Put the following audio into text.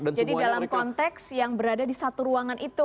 jadi dalam konteks yang berada di satu ruangan itu